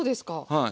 はい。